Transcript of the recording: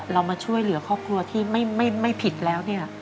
เรามาช่วยเหลือครอบครัวที่ไม่ผิดแล้วเนี่ย